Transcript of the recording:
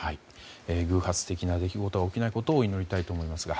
偶発的な出来事が起きないことを祈りたいと思いますが。